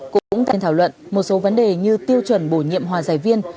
cũng tại thảo luận một số vấn đề như tiêu chuẩn bổ nhiệm hòa giải viên